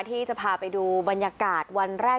ที่จะพาไปดูบรรยากาศวันแรก